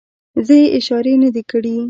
زه یې اشارې نه دي کړې.